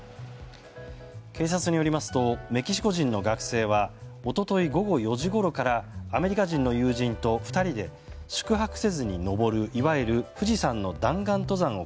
警察によりますとメキシコ人の学生は一昨日午後４時ごろからアメリカ人の友人と２人で宿泊せずに登る、いわゆる富士山の弾丸登山を